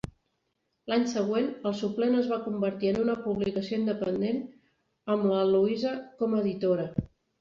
L'any següent, el suplement es va convertir en una publicació independent amb la Louisa com a editora.